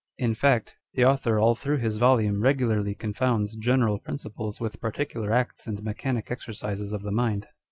In fact, the author all through his volume regularly con founds general principles with particular acts and mechanic exercises of the mind.